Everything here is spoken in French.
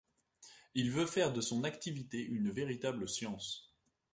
Il veut faire de son activité une véritable science.